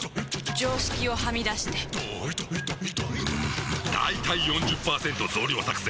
常識をはみ出してんだいたい ４０％ 増量作戦！